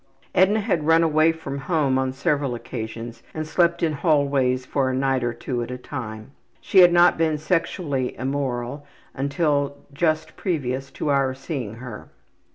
Edna had run away from home on several occasions and slept in hallways for a night or two at a time. She had not been sexually immoral until just previous to our seeing her.